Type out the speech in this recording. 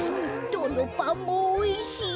どのパンもおいしい！